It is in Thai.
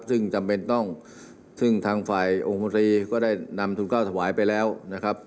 ซึ่งจำเป็นต้องซึ่งทางฝ่ายองค์มนตรีก็ได้นำทุนเก้าถวายไปแล้วนะครับ